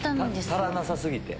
足らなさ過ぎて？